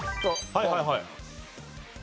はいはいはい。